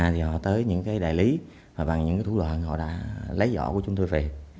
thì họ tới những đại lý và bằng những thủ đoạn họ đã lấy vỏ của chúng tôi về